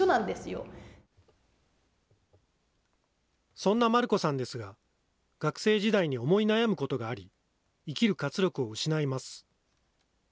そんな団姫さんですが、学生時代に思い悩むことがあり、生きる活力を失います。